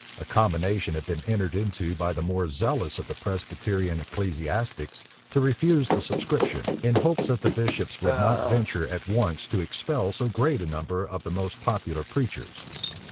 A combination had been entered into by the more zealous of the Presbyterian ecclesiastics to refuse the subscription, in hopes that the bishops would not venture at once to expel so great a number of the most popular preachers.